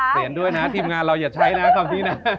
เห็นด้วยนะทีมงานเราอย่าใช้นะคำนี้นะ